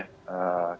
kita akan membayar